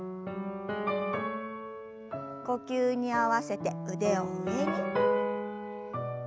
呼吸に合わせて腕を上に。